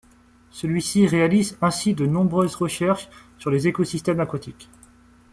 Celui-ci réalise ainsi de nombreuses recherches sur les écosystèmes aquatiques.